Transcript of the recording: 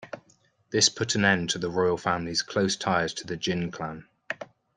This put an end to the royal family's close ties to the Jin clan.